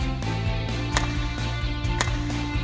anda lebih baik bahaya